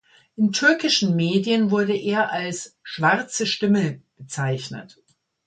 In türkischen Medien wurde er als „schwarze Stimme“ bezeichnet.